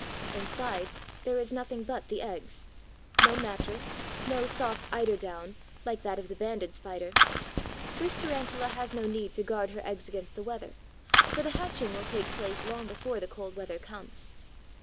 Inside, there is nothing but the eggs: no mattress, no soft eider down, like that of the Banded Spider. This Tarantula has no need to guard her eggs against the weather, for the hatching will take place long before the cold weather comes.